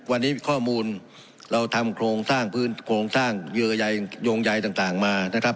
วันนี้ข้อมูลเราทำโครงสร้างพื้นโครงสร้างโยงใยต่างมานะครับ